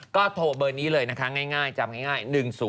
ก็โทรเบอร์นี้เลยนะคะง่ายจำง่าย๑๐๔